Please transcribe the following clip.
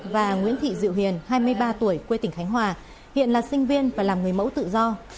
và nguyễn thị diệu hiền hai mươi ba tuổi quê tỉnh khánh hòa hiện là sinh viên và làm người mẫu tự do